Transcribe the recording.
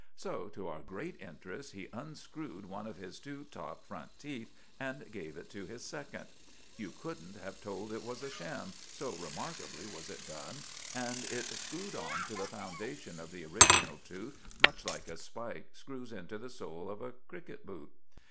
So, to our great interest he unscrewed one of his two top front teeth and gave it to his second. You couldn't have told it was a sham, so remarkably was it done, and it screwed on to the foundation of the original tooth much like a spike screws into the sole of a cricket boot.